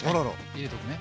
入れとくね。